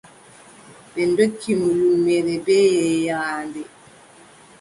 Ɓe ndokki mo ƴulmere bee yeeraande.